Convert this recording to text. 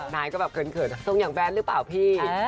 นายก็แบบเขินทรงอย่างแฟนหรือเปล่าพี่